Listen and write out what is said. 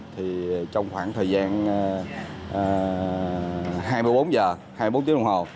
thì trong khoảng thời gian hai mươi bốn giờ hai mươi bốn tiếng đồng hồ